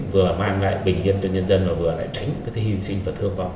vừa mang lại bình yên cho nhân dân và vừa lại tránh cái hy sinh phật thương